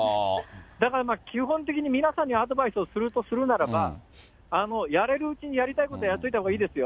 だから基本的に皆さんにアドバイスをするとするならば、やれるうちにやりたいことやっておいたほうがいいですよ。